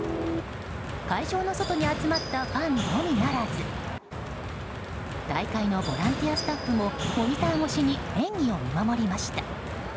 会場の外に集まったファンのみならず大会のボランティアスタッフもモニター越しに演技を見守りました。